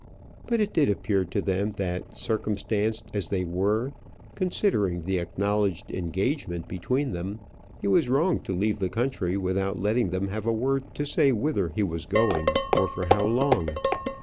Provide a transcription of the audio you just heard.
But it did appear to them that, circumstanced as they were, considering the acknowledged engagement between them, he was wrong to leave the country without letting them have a word to say whither he was going or for how long.